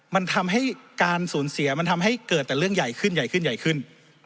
มันทำให้การสูญเสียมันทำให้เกิดแต่เรื่องใหญ่ขึ้นใหญ่ขึ้นใหญ่ขึ้น